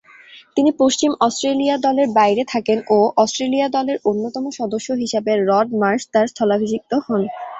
তিনি পশ্চিম অস্ট্রেলিয়া দলের বাইরে থাকেন ও অস্ট্রেলিয়া দলের অন্যতম সদস্য হিসেবে রড মার্শ তার স্থলাভিষিক্ত হন।